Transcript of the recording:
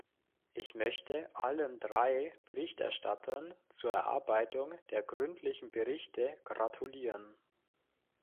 Ich möchte allen drei Berichterstattern zur Erarbeitung der gründlichen Berichte gratulieren.